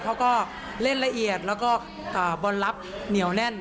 เขาก็เล่นละเอียดแล้วก็บอลลับเหนียวแน่น